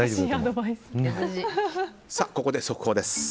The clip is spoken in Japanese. ここで速報です。